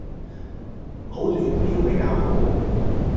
唔好亂標比較好